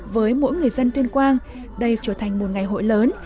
với mỗi người dân tuyên quang đây trở thành một ngày hội lớn